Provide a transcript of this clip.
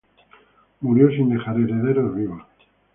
Murió sin dejar herederos vivos.